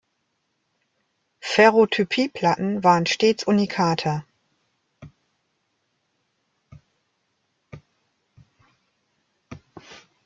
Ferrotypie-Platten waren stets Unikate.